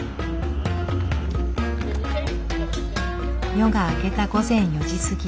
夜が明けた午前４時過ぎ。